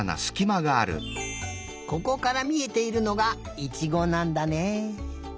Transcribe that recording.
ここからみえているのがいちごなんだね。